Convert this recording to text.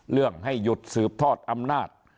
เรื่องให้หยุดสืบทอดอำนาจ